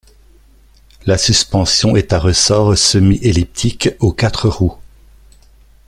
La suspension est à ressorts semi-elliptiques aux quatre roues.